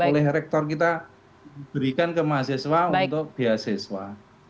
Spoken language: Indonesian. oleh rektor kita berikan ke mahasiswa untuk beasiswa